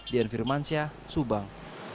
dian firmansyah subang